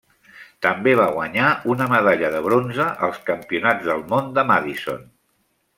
També va guanyar una medalla de bronze als campionats del món de Madison.